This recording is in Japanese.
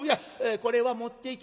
これは持っていき」。